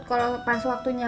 kalau pas waktunya